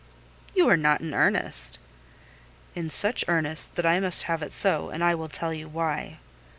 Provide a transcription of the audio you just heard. "You are not in earnest?" "In such earnest that I must have it so: and I will tell you why."